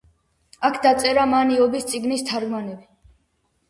აქ დაწერა მან „იობის წიგნის თარგმანები“.